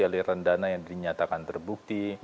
aliran dana yang dinyatakan terbukti